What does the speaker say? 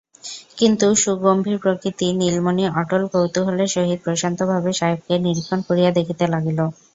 কিন্তু, সুগম্ভীরপ্রকৃতি নীলমণি অটল কৌতূহলের সহিত প্রশান্তভাবে সাহেবকে নিরীক্ষণ করিয়া দেখিতে লাগিল।